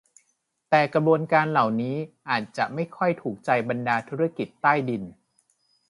แต่กระบวนการเหล่านี้อาจจะไม่ค่อยถูกใจบรรดาธุรกิจใต้ดิน